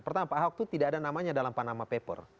pertama pak ahok itu tidak ada namanya dalam panama paper